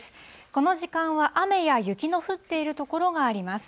この時間は雨や雪の降っている所があります。